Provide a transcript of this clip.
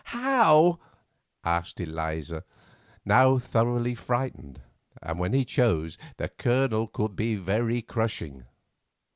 "How?" asked Eliza, now thoroughly frightened, for when he chose the Colonel could be very crushing.